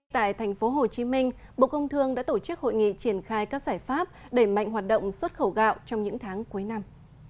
tại tp hcm bộ công thương đã tổ chức hội nghị triển khai các giải pháp đẩy mạnh hoạt động xuất khẩu gạo trong những tháng cuối năm